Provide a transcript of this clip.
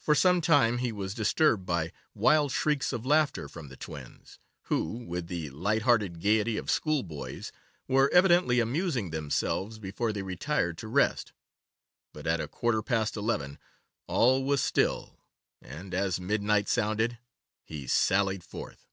For some time he was disturbed by wild shrieks of laughter from the twins, who, with the light hearted gaiety of schoolboys, were evidently amusing themselves before they retired to rest, but at a quarter past eleven all was still, and, as midnight sounded, he sallied forth.